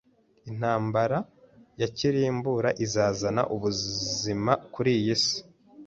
Intambara ya kirimbuzi izazana ubuzima kuri iyi si.